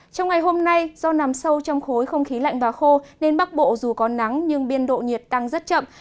trong ngày hôm nay do nằm sâu trong khối không khí lạnh và khô nên bắc bộ dù có nắng nhưng biên độ nhiệt tăng rất chậm